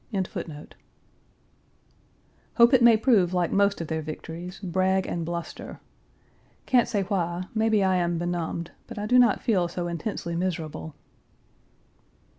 1 Hope it may prove like most of their victories, brag and bluster. Can't say why, maybe I am benumbed, but I do not feel so intensely miserable.